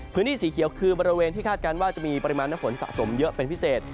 พื้นที่สีเขียวคือบริเวณที่คาดการณ์ว่าจะมีปริมาณน้ำฝนสะสมเยอะเป็นพิเศษ